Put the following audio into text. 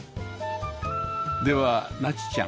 では梛千ちゃん